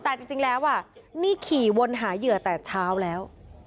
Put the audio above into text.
แต่จริงแล้วนี่ขี่วนหาเหยื่อแต่เช้าแล้ว